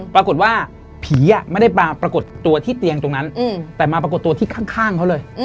ปรากฏว่าผีไม่ได้มาปรากฏตัวที่เตียงตรงนั้นแต่มาปรากฏตัวที่ข้างเขาเลย